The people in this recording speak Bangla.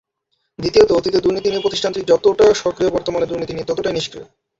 দ্বিতীয়ত, অতীতের দুর্নীতি নিয়ে প্রতিষ্ঠানটি যতটা সক্রিয় বর্তমানের দুর্নীতি নিয়ে ততটাই নিষ্ক্রিয়।